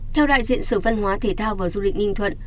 theo đại diện sở văn hóa thể thao và du lịch ninh thuận